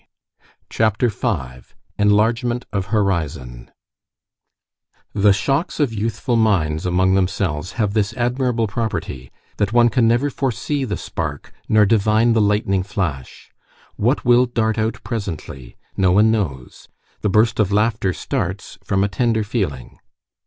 CHAPTER V—ENLARGEMENT OF HORIZON The shocks of youthful minds among themselves have this admirable property, that one can never foresee the spark, nor divine the lightning flash. What will dart out presently? No one knows. The burst of laughter starts from a tender feeling.